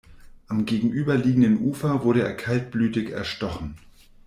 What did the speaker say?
Am gegenüberliegenden Ufer wurde er kaltblütig erstochen.